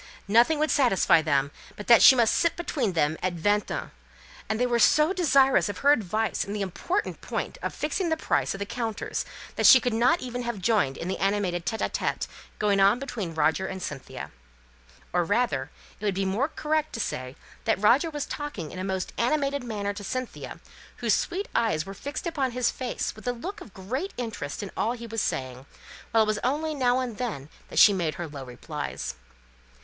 Nothing would satisfy them but that she must sit between them at vingt un; and they were so desirous of her advice in the important point of fixing the price of the counters that she could not ever have joined in the animated conversation going on between Roger and Cynthia. Or, rather, it would be more correct to say that Roger was talking in a most animated manner to Cynthia, whose sweet eyes were fixed upon his face with a look of great interest in all he was saying, while it was only now and then she made her low replies.